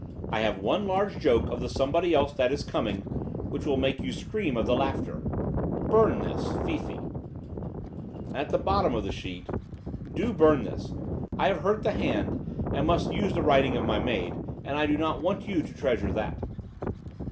I have one large joke of the somebody else that is coming, which will make you scream of the laughter. Burn this FIFI. And at the bottom of the sheet: Do burn this. I have hurt the hand, and must use the writing of my maid; and I do not want you to treasure that.